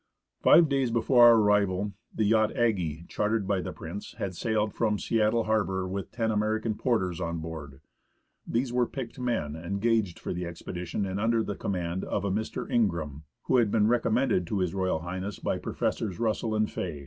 Five days before our arrival, the yacht Aggie, chartered by the Prince, had sailed from Seattle harbour with ten American porters on board. These were picked men engaged for the ex pedition and under the command of a Mr. Ingraham, who had been recommended to H.R. H. by Professors Russell and Fay.